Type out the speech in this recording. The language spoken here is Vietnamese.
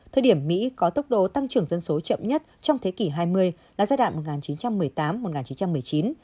thời điểm mỹ có tốc độ tăng trưởng dân số chậm nhất trong thế kỷ hai mươi là giai đoạn một nghìn chín trăm một mươi tám một nghìn chín trăm một mươi chín